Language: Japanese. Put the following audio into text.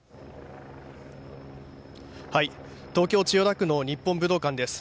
東京・千代田区の日本武道館です。